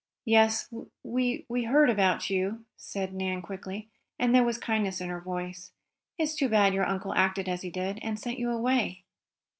"Yes, we we heard about you," said Nan quickly, and there was kindness in her voice. "It's too bad your uncle acted as he did, and sent you away."